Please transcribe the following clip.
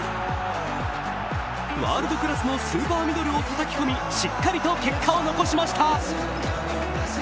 ワールドクラスのスーパーミドルをたたき込みしっかりと結果を残しました。